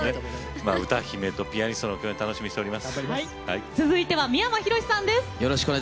歌姫とピアニスト楽しみにしております。